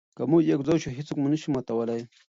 که موږ یو ځای شو، هیڅوک مو نه شي ماتولی.